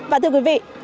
và thưa quý vị